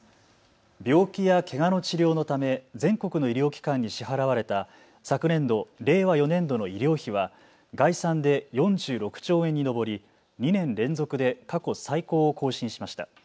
病気やけがの治療のため全国の医療機関に支払われた昨年度令和４年度の医療費は概算で４６兆円に上り２年連続で過去最高を更新しました。